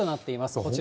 こちら。